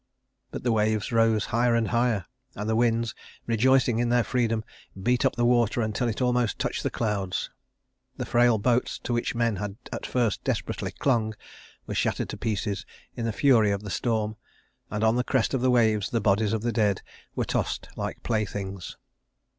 But the waves rose higher and higher; and the winds, rejoicing in their freedom, beat up the water until it almost touched the clouds. The frail boats to which men had at first desperately clung were shattered to pieces in the fury of the storm, and on the crest of the waves the bodies of the dead were tossed like playthings.